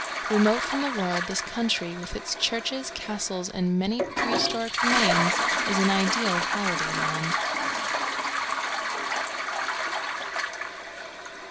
Remote from the world, this country, with its churches, castles, and many prehistoric remains, is an ideal holiday land.